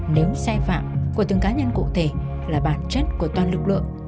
nếu xe phạm của từng cá nhân cụ thể là bản chất của toàn lực lượng